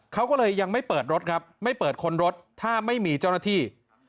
เขาก็เลยยังไม่เปิดรถครับไม่เปิดคนรถถ้าไม่มีเจ้าหน้าที่